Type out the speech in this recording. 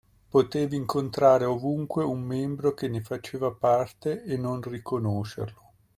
Potevi incontrare ovunque un membro che ne faceva parte e non riconoscerlo.